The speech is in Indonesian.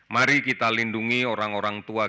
mari kita lindungi orang orang tua kita